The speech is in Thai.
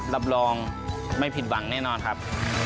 รับรองไม่ผิดหวังแน่นอนครับ